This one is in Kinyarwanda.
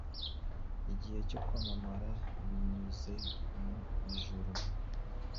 Igihe cyo kwamamara binyuze mu Ijuru